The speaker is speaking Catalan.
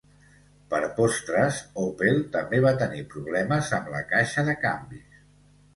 Per postres, Opel també va tenir problemes amb la caixa de canvis.